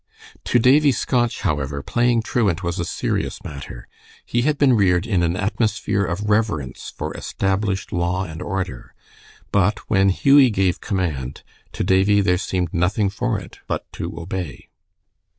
To Davie Scotch, however, playing truant was a serious matter. He had been reared in an atmosphere of reverence for established law and order, but when Hughie gave command, to Davie there seemed nothing for it but to obey.